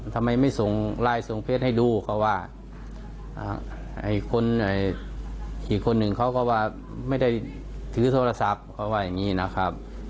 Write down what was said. ทำไมไม่ส่งไลน์ส่งเฟสให้ดูเขาว่าคนอีกคนหนึ่งเขาก็ว่าไม่ได้ถือโทรศัพท์เขาว่าอย่างนี้นะครับ